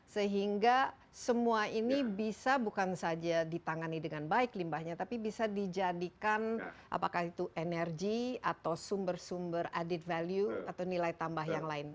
sehingga semua ini bisa bukan saja ditangani dengan baik limbahnya tapi bisa dijadikan apakah itu energi atau sumber sumber added value atau nilai tambah yang lain